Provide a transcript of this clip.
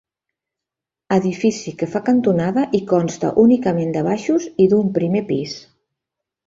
Edifici que fa cantonada i consta únicament de baixos i d'un primer pis.